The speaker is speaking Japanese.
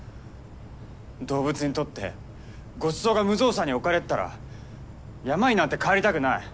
動物にとってごちそうが無造作に置かれてたら山になんて帰りたくない。